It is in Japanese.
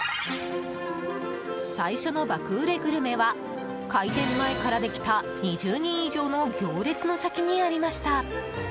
最初の爆売れグルメは開店前からできた２０人以上の行列の先にありました。